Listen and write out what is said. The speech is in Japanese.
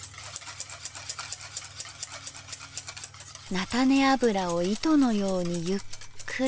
菜種油を糸のようにゆっくりゆっくり。